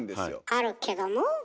あるけども？